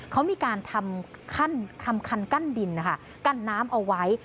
เขามีการทำคันกั้นดินนะคะกั้นน้ำเอาไว้